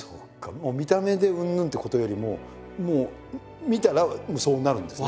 もう見た目でうんぬんってことよりももう見たらそうなるんですね。